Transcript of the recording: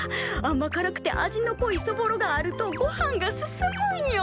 あまからくて味のこいそぼろがあるとごはんが進むんよ。